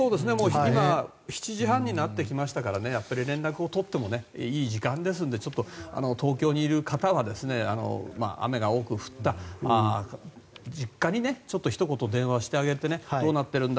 今７時半になってきましたから連絡を取ってもいい時間ですので東京にいる方は雨が多く降った実家にねひと言、電話をしてあげてどうなってるんだ？